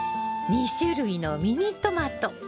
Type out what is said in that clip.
２種類のミニトマト。